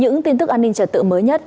những tin tức an ninh trật tự mới nhất